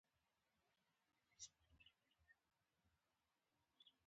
افغانستان له ګاز ډک دی.